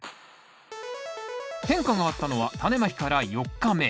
変化があったのはタネまきから４日目。